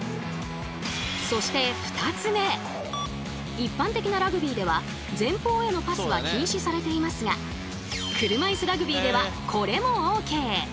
一般的なラグビーでは前方へのパスは禁止されていますが車いすラグビーではこれもＯＫ！